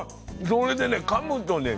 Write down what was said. それでねかむとね